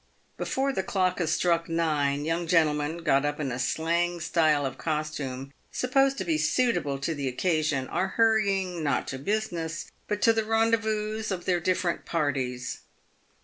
Before the clock has struck nine, young gentlemen, got up in a slang style of costume, supposed to be suitable to the occasion, are hurrying, not to business, but to the rendezvous of their different parties.